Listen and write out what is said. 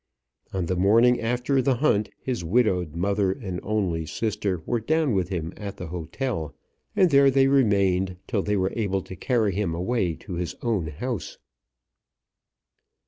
On the morning after the hunt his widowed mother and only sister were down with him at the hotel, and there they remained till they were able to carry him away to his own house.